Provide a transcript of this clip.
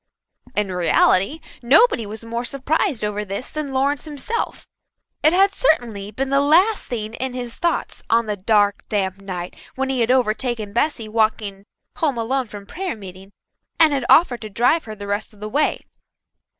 In reality nobody was more surprised over this than Lawrence himself. It had certainly been the last thing in his thoughts on the dark, damp night when he had overtaken Bessy walking home alone from prayer meeting and had offered to drive her the rest of the way.